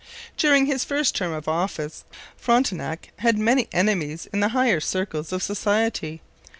During his first term of office Frontenac had many enemies in the higher circles of society.